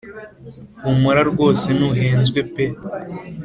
humura rwose ntuhenzwe pee